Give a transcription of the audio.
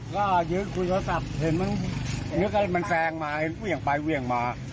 ก็ยืนคุยโทรศัพท์เห็นมันแซงมาเห็นเหวี่ยงไปเวี่ยงมา